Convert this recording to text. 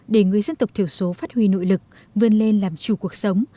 để người dân tộc thiểu số phát huy nội lực vươn lên làm chủ cuộc sống